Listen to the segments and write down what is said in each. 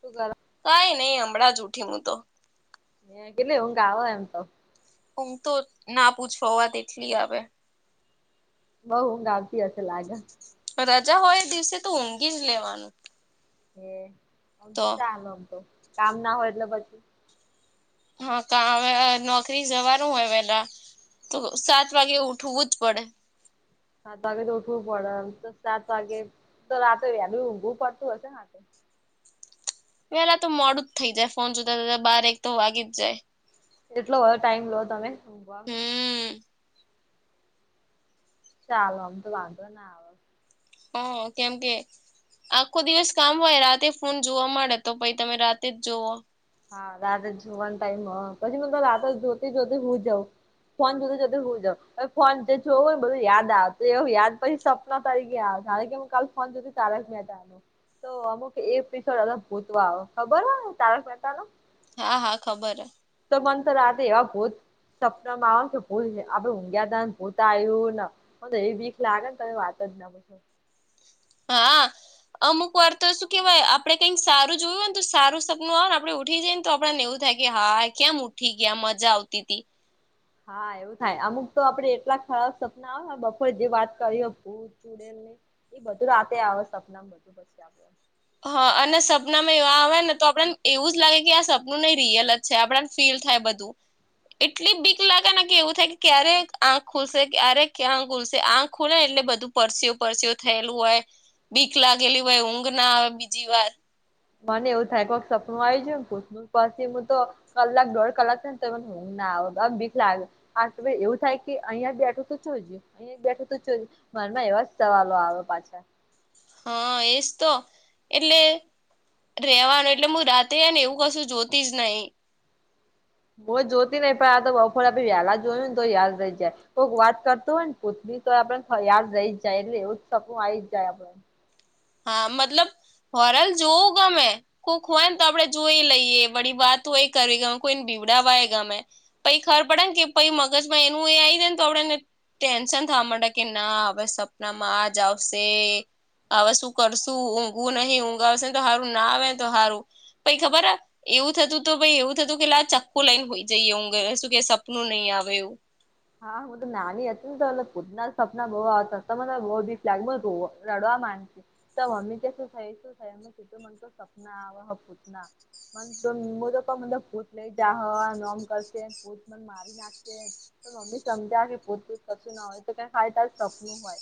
શું કરો. કઈ નહી હમણાં જ ઉઠી મું તો. એ કેટલી ઊઘ આવો એમ તો. ઊધ તો ના પૂછો વાત એટલી આવે. બઉ ઊધ આવતી હશે લાગ. રજા હોય એ દિવસે તો ઊંઘી જ લેવાનું. હે આમ તો ચાલે તો કામ ના હોય તો પછી. હા કાવે નોકરી જવાનું હોય વેલા. તો સાત વાગે ઉઠવું જ પડે. સાત વાગે તો ઉઠવું પડે સાત વાગે તો રાતે વેલું ઊઘવું પડતું હશે ને. પેલા તો મોડું જ થઇ જાય ફોન જોતા જોતા બાર એક તો વાગી જ જાય. જેટલો હોય ટાઈમ લો તમે ઊંઘવા માં. હમ ચાલો ઓમ તો વાંધો ના આવે. હો કેમ કે. આખો દિવસ કામ હોય રાતે ફોન જોવા મળે તો પ તમે રાતે જ જોવો. હા રાત જ જોવાનું ટાઈમ પછી મે તો રાત જોતી જોતી હુઇ જઉં. ફોન જોતે જોતે હુઈ જ‌ઉ એ ફોન જે જોવુંને બધું યાદ આવે એવુ યાદ પછી. નવ તારીખે આવ તારે કેમ હું કાલ ફોન જોતી તી તારક મહેતા. તો અમુક એપિસોડ ભૂત ખબર હો તારક મહેતા નો. હા હા ખબર હૈ. તો મન તો રાતેે એવાં ભુત. સપનમાં આવે કે ભૂત આપે ઊંઘ્યા તને ભૂત આયુ ન. મન ત એવી બીક લાગે ને તમે વાત ના પુછો. હા. અમુક વાર તો શું કેહેવાય આપડે કંઈક સારું જોયું હો ને તો સારું સપનું આવે ને આપડે ઉઠી જ‌ઈ તો આપણને એવું થાય. હા હા કેમ ઉઠી ગયા મજા આવતી તી. હા એવું થાય અમુક તો આપડે એટલા ખરાબ સપના આવે ને બપોરે જે વાત કરીએ ભૂત ચૂડેલ. એ બધું રાતે આવે સપના બધું પછી આપડે. હા અને સપનામાં એવા આવે ને તો આપડને એવું જ લાગે કે આ સપનું નહી રિયલ. છે આપડને ફીલ થાય બધું. એટલી બીક લાગે ને કે એવું થાય કે ક્યારે આંખ ખુલસે ક્યારે ક્યાં ખુલશે આંખ. ખુલે એટલે બધું પરસી પરસીયો થયેલું હોય બીક લાગેલી હોય ઊંઘ ના આવે. બીજી વાત. મને એવું થાય કોક સપનું આવી ગયુ તું પાછી હું તો કલાક દોઢ કલાક થાય. ના બીક લાાગે આ એવું થાય કે અહિયાં બેઠો તો ચ ગ્યું. અહીંયા બેઠો તો મનમાં એવા જ સવાલો આવે પાછા. હા એજ તો એટલે. રેવાનું એટલે હું રાતે ને એવું કશું જોતી જ નહીં. હું જોતી નહિ પણ આ તો બપોરે આપે વેહલા જોયું ને તો યાદ રઇ જાય. કોક વાત કરતું હોય ને ભુત ની તો આપડે યાદ રહી જાય એટલે એવું સપનું આઈ જ જાય આપડે. હા મતલબ હોરર જોવું ગમેં. કોઈક હોયને તો આપડે જોઈ લઈએ વળી વાત હોય કરી ગમે કોઈને બિવડાવા આય ગમે. પ‌ઈ ખબર પડે ને કે પઈ મગજમાં એનું એ આવી જાય ને તો આપડેને. ટેન્શન થવા કે ના હવે સપનામાં આ જ આવશે હવે શું કરશું ઊંઘવું નહીિ ઊંઘ આવશે તો સારું ના આવે તો સારું પ ખબર હ એવું થતું તોાઈ એવું થતું કે આ ચખ્કું લઈને હોઈ જઈએ હું કે સપનું નહીં આવે એવું હા હું તો નાની હતી ને તો એલે ખુદના સપના બહુ આવતા તો મને બહુ દીસ લાગે રડવા માંગતી તો મમ્મી કે શું થઈ શું થાય સીધું મન સપના હપૂત ના મ તો પણ મ ભૂટ લઈ જામ કરશે મ નાખ તો મમ્મી સમજ્યા પોતું જ કશું ના હોય તો ક ખાય ત સપનું હોય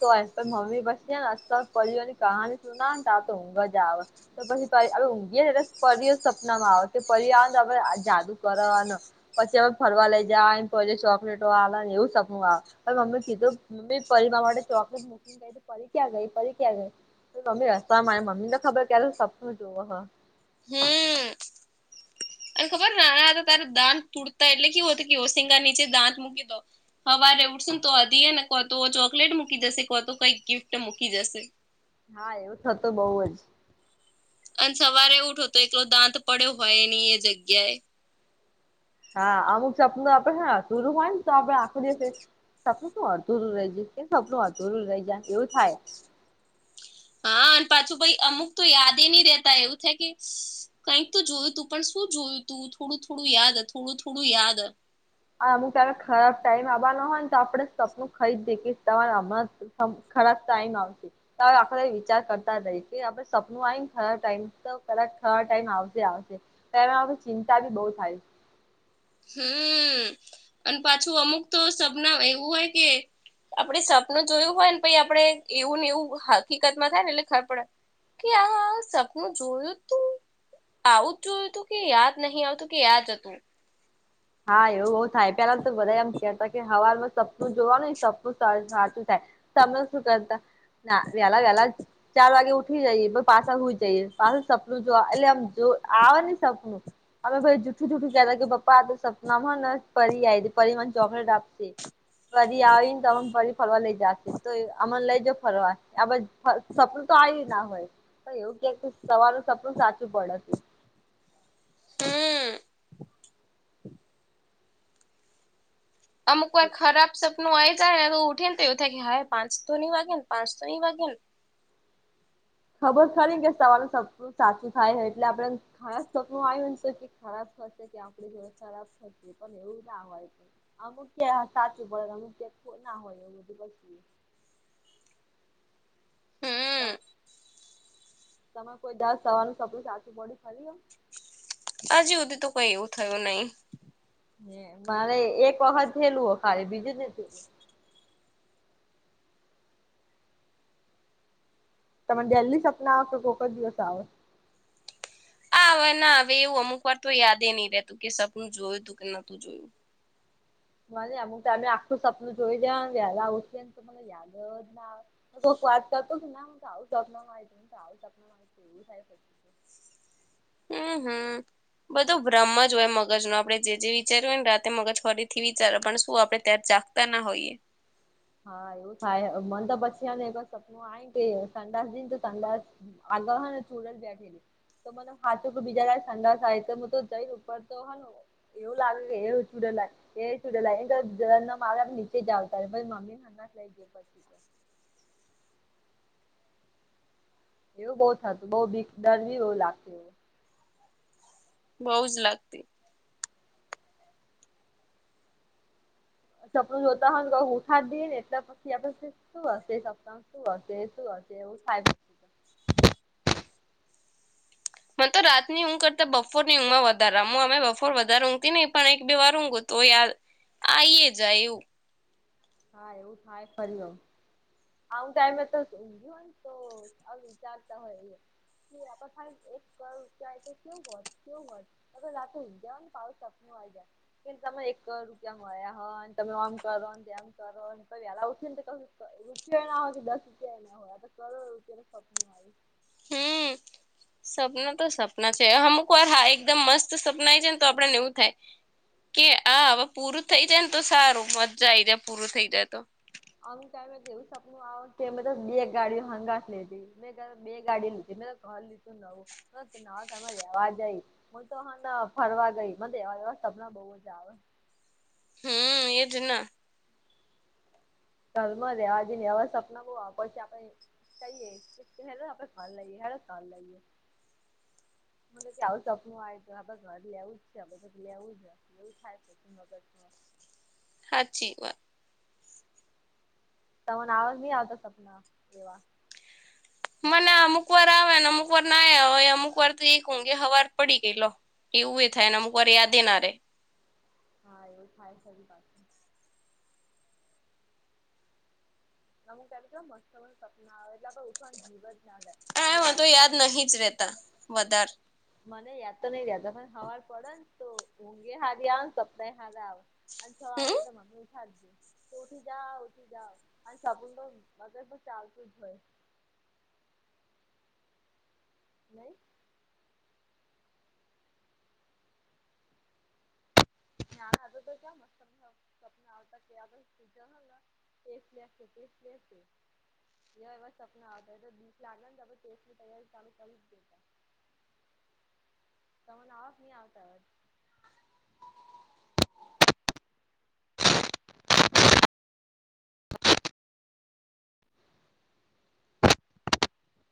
તોય પણ મમ્મી બસ ને અસ્ પની કહાની સુના ને આ તો ઊંઘ જ આવે તો પછી ઊંઘીએ ને એટલે પર સપનામાં આવે પર આવે આપણે જાદુ કરવાનો પછી અમે ફરવા લઈ જાય ચોકલેટો એવું સપ આવે મમ્મી કીધું મમ્મી પરિર માટે ચોકલેટ મૂકી ફરી ક્યાં ગઈ ફરી ક્યા ગઈ મમ્મી રસ્તા મા મમ્મીને ખબર ક્યારે સપનું જોવો હ હમ અને ખબરને નાના તારે દાંત તૂટતા એટલે કેવું હતું કે ઓશિંગા નીચે દાંત મૂકી દો હવા ર ઉઠશેને તો અધીએ ને કો તો ચોકલેટ મૂકી જશે કો તો કઈક ગિફ્ટ મૂકી જશે હા એવું થતું બઉુ જ અને સવારે ઉઠો તો એકલો દાંત પડ્યો હોયની એ જગ્યાએ હા અમુક છે આપનું તો આપડે હા તુરું હોય ને તો આપડે આખો દ સપનું અધુરું રહીજાય કે સપનું અધુરું રહી જાય એવું થાય હા અને પાછું ભાઈ અમુક તો યાદ નહી રેતા એવું થાય કે કઈક તો જોયું તું પણ શું જોયું તું થોડું થોડું યાદ થોડું થોડું યાદ અમુક ત ખરાબ ટાઈમ આવવા હોય ને તો આપડણે સપનું ખરી જ દેખ તમામ ખરાબ તાય મા આવશે આખ વિચાર કરતા રહી કે આપ સપનું આવીને ખ ટાઈમ તો ક ખ ટાઈમ આવજે આવ તોમાં ચિંતા બી બહુ થાય હમ અને પાછું અમુક તો સપના એવું હોય કે આપડ સપનું જોયું હોય ને પી આપડે એવું ને એવું હકીકત માં થાય ને એટલે ખ પડે કે આ સપનું જોયું તું આવું જોયું હતું કે યાદ નહીિ આવતું કે યાદ હતું હા એવું બઉુ થાય પેલા તો બધા એમ ક હવાલમાં સપનું જોવાનું સપનું સાચું તમે શું કરતા ના વેલા વેલા ચાર વાગે ઉઠી જઈએ પણ પાછા એલ સપનું જો એટલે આમ જો આવે સપનું અમે ભાઈ જૂઠું જુઠું કતા કે પપ્પા સપનામાં પરી પરિવા ચોકલેટ આપશે ફરી આવીને તમામ ફરવા લઈ જશે તો અમન લઈ જ ફરવાશે આ સપનું તો આવી ના હોય તો એવું કક કે સવાનું સપનું સાચું પડશે હમ અમુક વાર ખરાબ સ નઈ જાય ઉઠે તેવ થ હાય પાંચ તો ન વાગન પાંચ તો ન વાગન ખબર ખ ને કે સવારનું સપનું સાચું થાય છે એટલે આપડે ખ સપનું આવ્યું ને તો ખરાબ થશે કે આપડી જડ ખરાબ પણ એવું ના હોય અમુક સાચું પડે અમુક ના હોય એવું બધું પ હમ તમે કોઈ દ સવાનું સપડું સાચું બોડી ખાલી એમ હજુ સુધી તો કઈ એવું થયું નહી હ મારે એક વખત થયેલું હો ખાલી બીજું નથીું તમેને દેહેલી સપના આવો કે કોક જ દિવસ આવે આ હવે ના હવે એવું અમુક વાર તો યાદ નહી રહેતું કે સપનું જોયું હતું કે નતું જોયું મને અમુક ટાઈમે આખું સપનું જોઈ દેવાન, વહેલા ઊઠીએ તો મને યાદ જ ના આવે! કોક વાતતાતો ના હ તો આવું સપ માહ તો આવું સપન માહિતું એવું થાય હમ હમ બધું બ્રહ્મ જ હોય મગજ ન આપડે જે વિચાર્યું હોય ને રાતે મગજ ફરીથી વિચાર પણ શું આપણે ત્યારે તાના હોઈએ હા, એવું થાય. મન તો પછી આમ એક સપનું આઇન બેહે, સંડાસ જઇ એન તો સંડાસ આગળ હે ને ચૂડલ બેઠી તો મને હાચું કે બીચારાને સંડાસ આઈ તો હું તો જઈ ઉપર તો હેં ને એવું લાગે કે એ હવે ચૂડેલા આઈ, એ ચૂડેલ આઈ, જયા વગર આમ ને આમ નીચે જ આવતા રહીએ પ મમ્મી સંડાસ લઈ જાય પછી જઈએ એવું બઉ થતું, બઉ બીક, ડર બી બહુ લાગતુ બઉ જ લાગતી સપનું જોતા હોય ને કોક ઉઠાડ દઈએ ને તો પછી આપને થાય સુ હસે સપનામા? સુ હસે, સુ હસે? એવું થાય તો મન તો રાતની ઊંઘ કરતા, બપોરની ઊંઘમાં વધાર રે, મ આમે બપોર વધારે ઊંઘતી નહી, પણ એક બે વાર ઊંઘું તોય આવે. આઈ એ જાય એવુ હા, એવું થાય ફરી ઓ આમુક ટાઈમે તો ઊંઘ્યું હોય ને તો આમ જાગતા હોઈએ. કે અપર થાય એક [unintelligible] જાય તો કેવુ હોત? કેવુ હોત? હવે લાખો રૂપિયા હોય ને પાહુ સપનું આવ્યુ એ તમને એક કરોડ રૂપિયા મળ્યા હોય ને તમે આમ કરોને તેમ કરોને, પણ વહેલા ઉઠીએને તો કશું રૂપિયો એ ના હોય કે દસ રૂપિયા એ ન હોય. હ, આતો કરોડ રૂપિયાનું સપનું આયુ. હમ. સપના તો સપના છે. અમુક વાર, હા, એકદમ મસ્ત સપના આઈ જાય ને તો આપનને એવું થાય. કે આ હવ પૂરું થઈ જાય ન તો સારું, મજા આઈ જાય, પૂરું થઈ જાય તો! અમુક ટાઇમે તો એવું સપનું આવે કે બધા બે ગાડી હંગાથ લીધી. તમે તો બે ગાડી લીધીને! મે ઘર લીધું નવું, ન નવા ઘરમાં રેવા ગઈ. હું તો હ ન ફરવા ગઈ, મન તો એવા એવા સપના બહુ જ આવે! હમ, એ જ ના! ઘરમાં રેવા જઈ ને એવા સપના બહુ આવ પછી આપણે કહીએ, પછી કે હેંડો આપણે ફોન લઈએ, હેંડો લોન લઈએ મને કે આવું સપનું આયુ, આપે ઘર લેવું જ છે આપણે બસ લેવું જ છે. થાય મગજમાં હાચી વાત તમને આવાજ નહી આવતા સપના એવા? મને અમુક વાર આવે ને, અમુક વાર ના આવે, અમુક વાર તો એક ઊંઘે હવાર પડી ગઈ, લો! એવું એ થાય, ને અમુક વાર યાદે ના રે હા, એવું થાય ફરી પાછું. અમુક ટાઇમે કેવા મસ્ત મસ્ત સપના આવે ક્યાં તો ઉઠવાનો મૂડ જ ના થાય એ અને મનતો યાદ પડે નહી જ રેતા, વધાર! મને યાદ તો નઈ રહેતા, પણ હવાર પડે ને તો ઊંઘે હારી આવે ને સપના એ હારા આવે. અને છ વાગે હમ એટલે મમી ઉઠાડતીતી, ઉઠી જાઓ, ઉઠી જાઓ. અને સપનું તો હંડ્રેડ પર્સેન્ટ આવતું જ હોય નહિં? ત્યાં શું સપના તમને આવતા, કયો ને કઈ? ટેસ્ટ દેશું, ટેસ્ટ દેશું એવા એવા સપના આવતા હતા, બીક લાગે ને ટેસ્ટની તૈયારી ચાલુ કરી જ દેતા તને આવ ક નહી આવતા એવા?